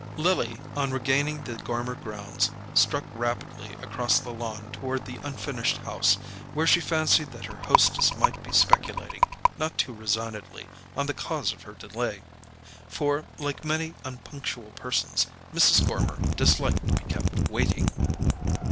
Lily, on regaining the Gormer grounds, struck rapidly across the lawn toward the unfinished house, where she fancied that her hostess might be speculating, not too resignedly, on the cause of her delay; for, like many unpunctual persons, Mrs. Gormer disliked to be kept waiting.